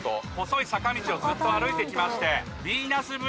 細い坂道をずっと歩いてきまして。